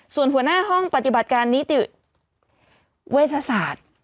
ส่วนหัวหน้าห้องปฏิบัติการนิติเวชศาสตร์